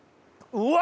うわ！